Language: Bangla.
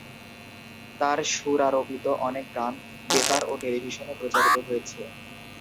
তার সুরারোপিত অনেক গান বেতার ও টেলিভিশনে প্রচারিত হয়েছে।